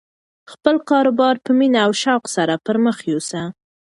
خپل کاروبار په مینه او شوق سره پرمخ یوسه.